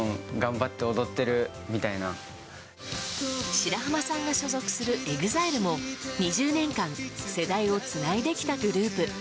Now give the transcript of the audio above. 白濱さんが所属するＥＸＩＬＥも２０年間世代をつないできたグループ。